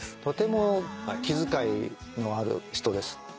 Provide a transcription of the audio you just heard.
とても気遣いのある人です。